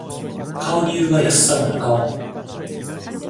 買う理由が安さなら買わない